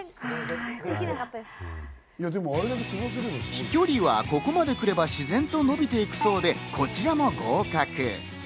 飛距離はここまでくれば自然と伸びてくるそうで、こちらも合格。